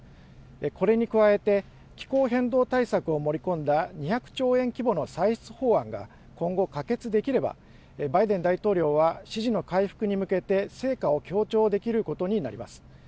これに加えて、気候変動対策を盛り込んだ２００兆円規模の歳出法案が、今後、可決できれば、バイデン大統領は支持の回復に向けて、成果を強調できることになります。